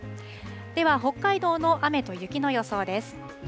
では、北海道の雨と雪の予想です。